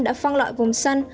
đã phân loại vùng xanh